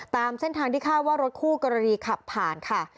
ตามเส้นทางที่คาดว่ารถคู่กรณีขับผ่านค่ะ